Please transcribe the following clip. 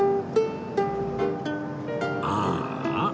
ああ